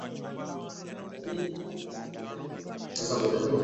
dawa ya kulevya licha ya kuelewa madhara yake hatari